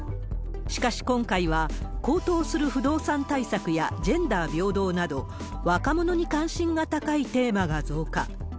しかし、今回は高騰する不動産対策やジェンダー平等など、若者に関心が高いテーマが増加。